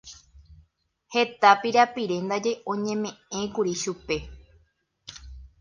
Heta pirapire ndaje oñeme'ẽkuri chupe.